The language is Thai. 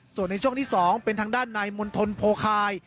ส่วนในช่วงที่๒เป็นทางด้านในมณฑลโพคาย